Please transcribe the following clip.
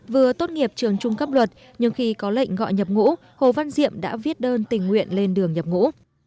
vừa tốt nghiệp trường trung cấp luật nhưng khi có lệnh gọi nhập ngũ hồ văn diệm đã viết đơn tình nguyện lên đường nhập ngũ